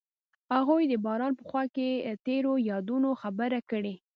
هغوی د باران په خوا کې تیرو یادونو خبرې کړې.